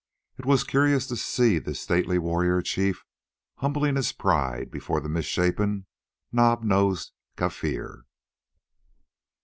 It was curious to see this stately warrior chief humbling his pride before the misshapen, knob nosed Kaffir.